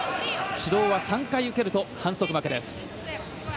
指導は３回受けると反則負けです。